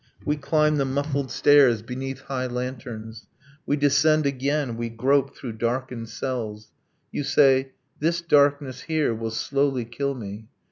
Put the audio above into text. We climb the muffled stairs beneath high lanterns. We descend again. We grope through darkened cells. You say: this darkness, here, will slowly kill me.